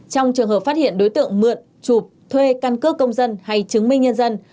trong trường hợp phát hiện đối tượng mượn chụp thuê căn cước công dân hay chứng minh nhân dân